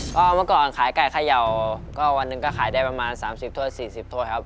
ก็เมื่อก่อนขายไก่เขย่าก็วันหนึ่งก็ขายได้ประมาณ๓๐ถ้วย๔๐ถ้วยครับ